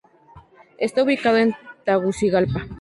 Está ubicado en Tegucigalpa.